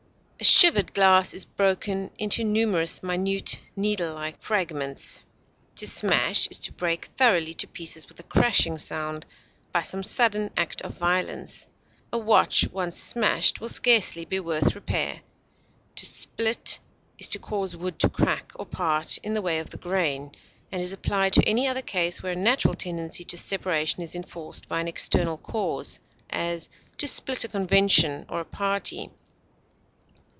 A shivered glass is broken into numerous minute, needle like fragments. To smash is to break thoroughly to pieces with a crashing sound by some sudden act of violence; a watch once smashed will scarcely be worth repair. To split is to cause wood to crack or part in the way of the grain, and is applied to any other case where a natural tendency to separation is enforced by an external cause; as, to split a convention or a party.